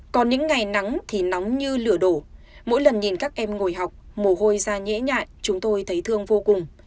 còn những ngày nắng thì nóng như lửa đổ mỗi lần nhìn các em ngồi học mồ hôi ra nhễ nhại chúng tôi thấy thương vô cùng